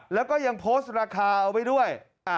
แล้วก็ยังโพสต์ราคาเอาไว้ด้วย